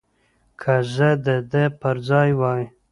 که زه د ده پر ځای وای.